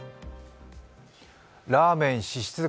ラーメン支出額